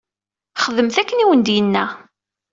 Xedmet akken i wen-d-yenna.